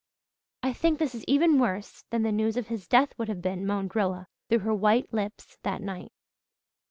"I think this is even worse than the news of his death would have been," moaned Rilla through her white lips, that night.